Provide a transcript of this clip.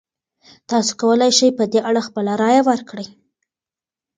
تاسو کولی شئ په دې اړه خپله رایه ورکړئ.